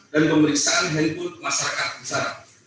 dan pemeriksaan handphone masyarakat besar